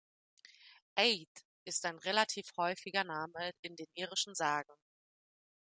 Aed ist ein relativ häufiger Name in den irischen Sagen.